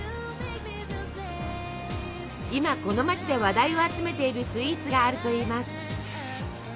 今この街で話題を集めているスイーツがあるといいます。